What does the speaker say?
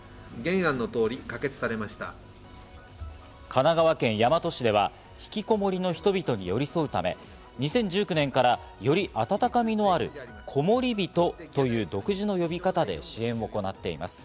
神奈川県大和市ではひきこもりの人々に寄り添うため、２０１９年からより温かみのある、「こもりびと」という独自の呼び方で支援を行っています。